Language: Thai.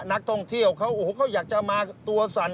นักท่องเที่ยวเขาอยากจะมาตัวสั่น